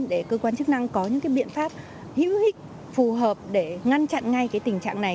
để cơ quan chức năng có những biện pháp hữu hích phù hợp để ngăn chặn ngay tình trạng này